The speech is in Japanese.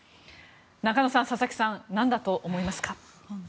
中野さん、佐々木さん何だと思いますか？